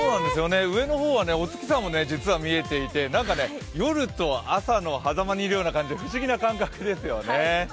上の方はお月さんも実は見えていて夜と朝の狭間にいるような感じで不思議な感覚ですよね。